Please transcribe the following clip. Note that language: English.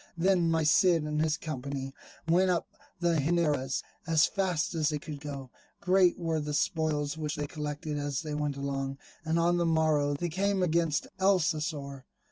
Then my Cid and his company went up the Henares as fast as they could go; great were the spoils which they collected as they went along. And on the morrow they came against Alcocer.